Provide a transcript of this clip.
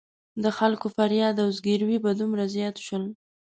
د خلکو فریاد او زګېروي به دومره زیات شول.